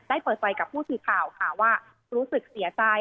เปิดใจกับผู้สื่อข่าวค่ะว่ารู้สึกเสียใจ